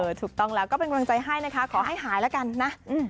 ถูกต้องแล้วก็เป็นกำลังใจให้นะคะขอให้หายแล้วกันนะ